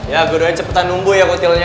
ya gua doanya cepetan nunggu ya kutilannya